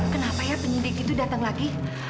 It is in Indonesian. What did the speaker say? kenapa ya penyidik itu datang lagi